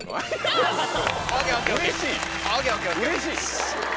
うれしい？